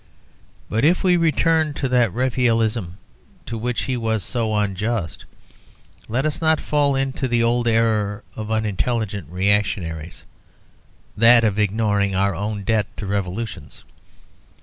But if we return to that Raphaelism to which he was so unjust, let us not fall into the old error of intelligent reactionaries, that of ignoring our own debt to revolutions.